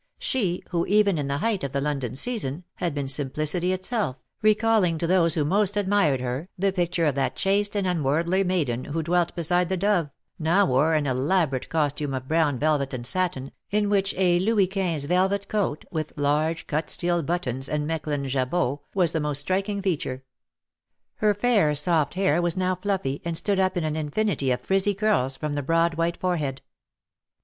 She who, even in the height of the London season, had been simplicity itself, recalling to those who most admired her, the picture of that chaste and unworldly maiden who dwelt beside the Dove, now wore an elaborate costume of brown velvet and satin, in which a Louis Quinze velvet coat, with large cut steel buttons and Mechlin jabot j was the most striking feature. Her fair, soft hair was now fluffy, and stood up in an infinity of frizzy curls from the broad white fore head.